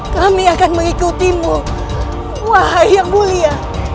kami akan mengikutimu wahai yang mulia